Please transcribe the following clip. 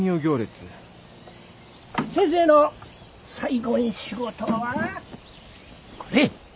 先生の最後ん仕事はこれ。